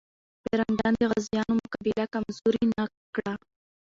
پرنګیان د غازيانو مقابله کمزوري نه کړه.